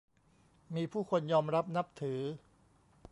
มีผู้คนยอมรับนับถือ